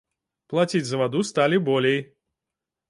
Плаціць за ваду сталі болей!